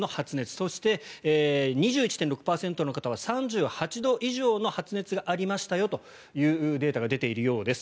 そして、２１．６％の方は３８度以上の発熱がありましたよというデータが出ているようです。